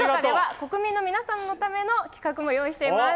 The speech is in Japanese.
国民の皆さんのための企画も用意しています。